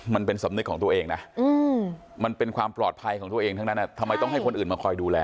มันเป็นสำนึกของตัวเองนะมันเป็นความปลอดภัยของตัวเองทั้งนั้นทำไมต้องให้คนอื่นมาคอยดูแล